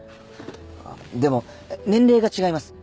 でも年齢が違います。